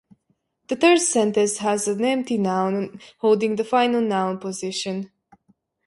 The third sentence has an empty noun holding the final noun position.